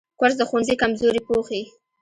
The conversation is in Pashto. کورس د ښوونځي کمزوري پوښي.